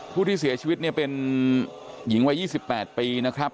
ผู้ที่เสียชีวิตเนี่ยเป็นหญิงวัย๒๘ปีนะครับ